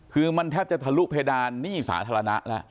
คือมันแทบจะทะลุเพดานหนี้สาธารณะแล้ว